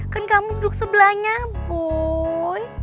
kan kamu duduk sebelahnya bu